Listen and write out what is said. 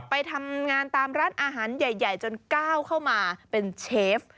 ไปทำงานตามร้านอาหารใหญ่จนก้าวเข้ามาเป็นเชฟ